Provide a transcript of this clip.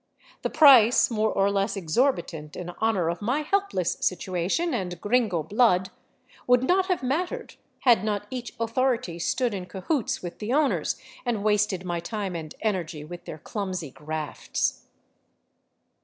The price, more or less exorbitant in honor of my helpless situation and gringo blood, would not have mattered had not each " authority " stood in cahoots with the owners and wasted my time and energy with their clumsy grafts.